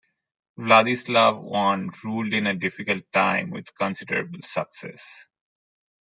Vladislav I ruled in a difficult time with considerable success.